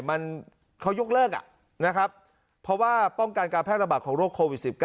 มันเขายกเลิกนะครับเพราะว่าป้องกันการแพร่ระบาดของโรคโควิด๑๙